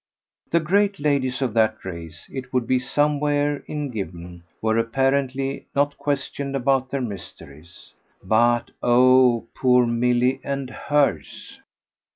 The great ladies of that race it would be somewhere in Gibbon were apparently not questioned about their mysteries. But oh poor Milly and hers!